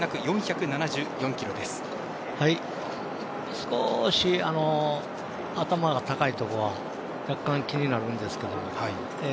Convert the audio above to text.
少し頭が高いところが若干気になるんですけども